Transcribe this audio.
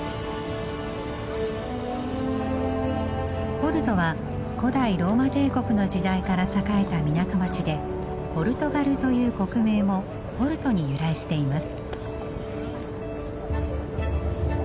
ポルトは古代ローマ帝国の時代から栄えた港町でポルトガルという国名もポルトに由来しています。